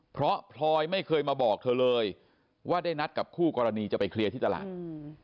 เพราะพลอยไม่เคยมาบอกเธอเลยว่าได้นัดกับคู่กรณีจะไปเคลียร์ที่ตลาดอืม